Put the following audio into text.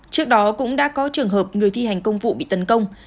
trước đó cũng đã có trường hợp người thi hành công vụ bị tấn công